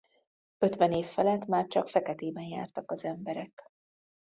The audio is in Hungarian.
Ötven év felett már csak feketében jártak az emberek.